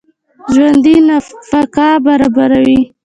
ژوندي نفقه برابروي